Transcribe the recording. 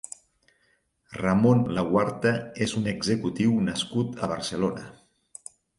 Ramon Laguarta és un executiu nascut a Barcelona.